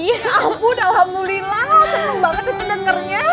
alhamdulillah seneng banget cici dengernya